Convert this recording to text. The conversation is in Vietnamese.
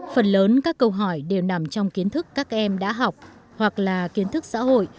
phần lớn các câu hỏi đều nằm trong kiến thức các em đã học hoặc là kiến thức xã hội